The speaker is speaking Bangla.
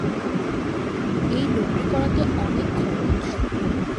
এই লন্ড্রি করাতে অনেক খরচ।